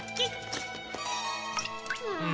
うん。